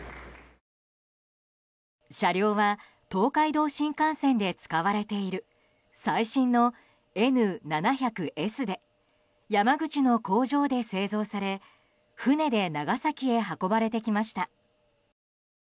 車両は東海道新幹線で使われている最新のＮ７００Ｓで山口の工場で製造され船で長崎へ運ばれてきました。